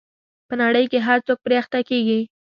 په نړۍ کې هر څوک پرې اخته کېږي.